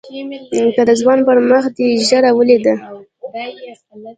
که د ځوان پر مخ دې ږيره وليده.